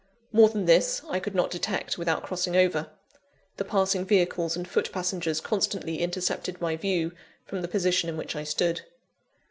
More than this I could not detect, without crossing over. The passing vehicles and foot passengers constantly intercepted my view, from the position in which I stood.